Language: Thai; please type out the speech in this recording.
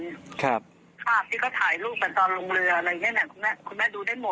ที่ก็ถ่ายรูปกันตอนลงเรืออะไรอย่างนี้นะคุณแม่